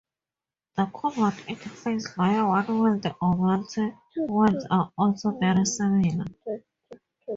The combat interface via one world or multiple worlds are also very similar.